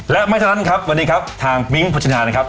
และไม่เท่านั้นวันนี้ทางมิ้งพัชนา